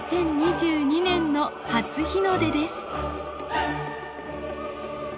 ２０２２年の初日の出です。